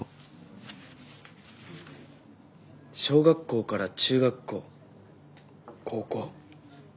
小学校から中学校高校。